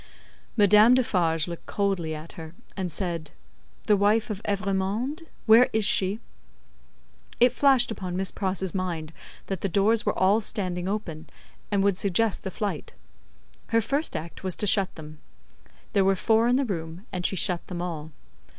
Madame Defarge looked coldly at her, and said, "The wife of Evrémonde; where is she?" It flashed upon Miss Pross's mind that the doors were all standing open, and would suggest the flight. Her first act was to shut them. There were four in the room, and she shut them all.